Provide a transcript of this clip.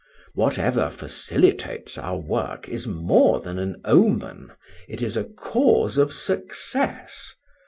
Whatever facilitates our work is more than an omen; it is a cause of success.